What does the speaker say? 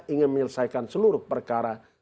ingin menyelesaikan seluruh perkara